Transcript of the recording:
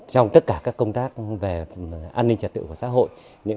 trong tất cả các công tác về an ninh trật tự và xã hội